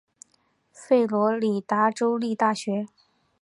佛罗里达州立大学。